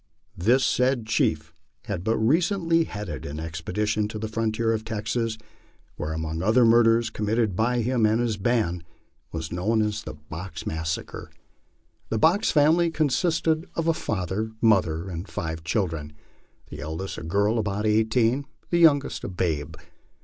This said chief had but recently headed an expedition to the frontier of Texas, where, among other murders committed by him and his band, was that known as the ' Box massa 44 MY LIFE ON THE PLAINS. . ere." The Box family consisted of the father, mother, and five children, the eldest a girl about eighteen, the youngest a babe.